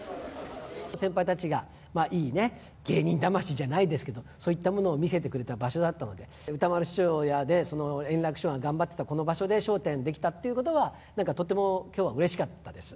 先輩たちが、いいね、芸人魂じゃないですけど、そういったものを見せてくれた場所だったので、歌丸師匠や円楽師匠が頑張ってたこの場所で笑点できたっていうことは、なんかとてもきょうはうれしかったです。